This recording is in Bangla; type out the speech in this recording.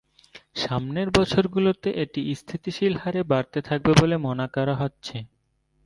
সামনের বছরগুলোতে এটি স্থিতিশীল হারে বাড়তে থাকবে বলে মনে করা হচ্ছে।